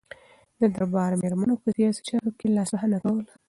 د دربار میرمنو په سیاسي چارو کې لاسوهنه کوله.